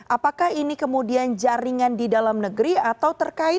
apakah ini kemudian jaringan didalam negeri atau terkait dengan